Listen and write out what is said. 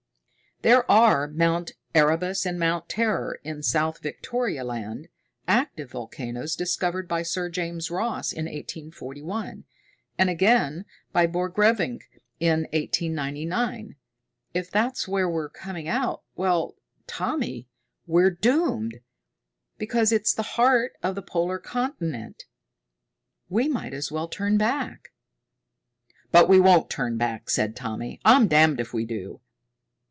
"There are Mount Erebus and Mount Terror, in South Victoria Land, active volcanoes discovered by Sir James Ross in 1841, and again by Borchgrevink, in 1899. If that's where we're coming out well, Tommy, we're doomed, because it's the heart of the polar continent. We might as well turn back." "But we won't turn back," said Tommy. "I'm damned if we do."